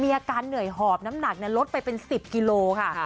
อาการเหนื่อยหอบน้ำหนักลดไปเป็น๑๐กิโลค่ะ